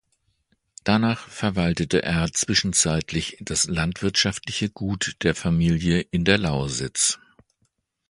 Danach verwaltete er zwischenzeitlich das landwirtschaftliche Gut der Familie in der Lausitz.